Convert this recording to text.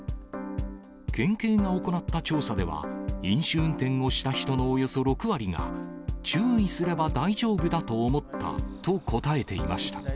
県警が行った調査では、飲酒運転をした人のおよそ６割が、注意すれば大丈夫だと思ったと答えていました。